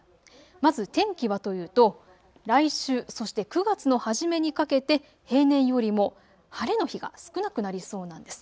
まず天気はというと来週、そして９月の初めにかけて平年よりも晴れの日が少なくなりそうなんです。